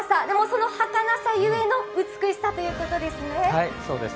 でも、そのはかなさゆえの美しさということですね。